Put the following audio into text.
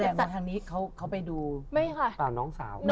แสดงว่าทางนี้เขาไปดูเปล่าน้องสาว